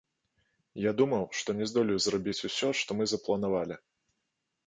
Я думаў, што не здолею зрабіць ўсё, што мы запланавалі.